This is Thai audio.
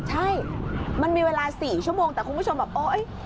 ใช่มันมีเวลา๔ชั่วโมงแต่คุณผู้ชมแบบโอ๊ย